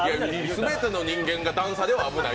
全ての人間が段差では危ない。